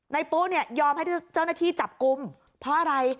ปุ๊เนี่ยยอมให้เจ้าหน้าที่จับกลุ่มเพราะอะไร